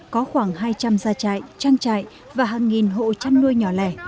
có khoảng hai trăm linh da trại trang trại và hàng nghìn hộ trà nuôi nhỏ lẻ